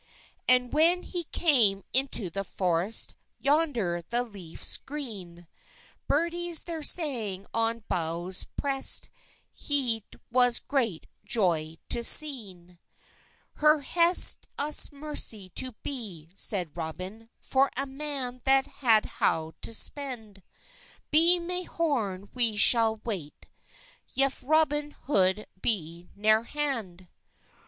And when he cam ynto the foreyst, Yonder the leffes grene, Berdys ther sange on bowhes prest, Het was gret joy to sene. "Her het ys mercy to be," seyde Roben, "For a man that had hawt to spende; Be mey horne we schall awet Yeff Roben Hode be ner hande."